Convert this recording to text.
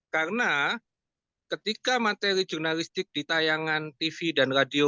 karena ketika materi jurnalistik di tayangan tv dan radio